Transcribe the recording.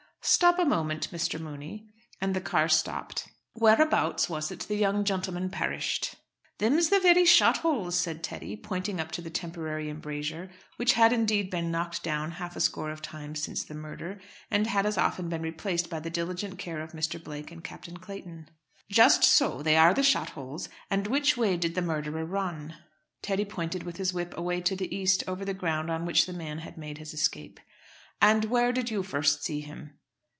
"Stop a moment, Mr. Mooney," and the car stopped. "Whereabouts was it the young gentleman perished?" "Them's the very shot holes," said Teddy, pointing up to the temporary embrasure, which had indeed been knocked down half a score of times since the murder, and had been as often replaced by the diligent care of Mr. Blake and Captain Clayton. "Just so. They are the shot holes. And which way did the murderer run?" Teddy pointed with his whip away to the east, over the ground on which the man had made his escape. "And where did you first see him?"